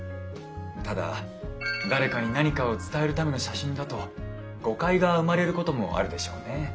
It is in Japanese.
ただ誰かに何かを伝えるための写真だと誤解が生まれることもあるでしょうね。